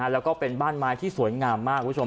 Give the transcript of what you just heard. แล้วก็เป็นบ้านไม้ที่สวยงามมากคุณผู้ชม